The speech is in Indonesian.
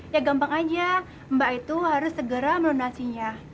ya gampang aja mbak itu harus segera melunasinya